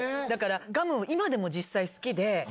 だから、ガムを今でも実際、好きで。